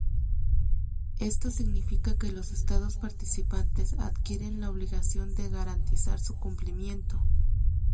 Esto significa que los Estados participantes adquieren la obligación de garantizar su cumplimiento.